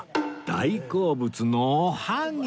大好物のおはぎ